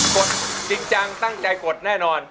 กดจริงจังตั้งใจกดแน่นอน